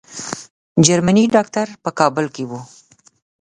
جرمني ډاکټر په کابل کې وو.